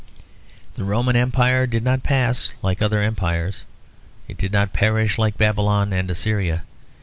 The Roman Empire did not pass like other empires; it did not perish like Babylon and Assyria.